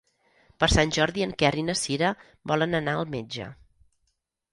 Per Sant Jordi en Quer i na Cira volen anar al metge.